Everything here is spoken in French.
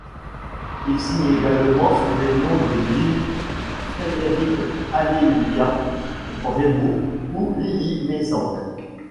Il signe également sous les noms de Brr, Frédéric Alléluïa Brémaud ou Lili Mésange.